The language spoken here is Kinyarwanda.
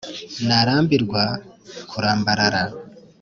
Narambirwa kurambarara